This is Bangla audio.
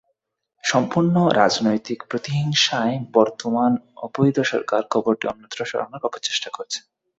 সম্পূর্ণ রাজনৈতিক প্রতিহিংসায় বর্তমান অবৈধ সরকার কবরটি অন্যত্র সরানোর অপচেষ্টা করছে।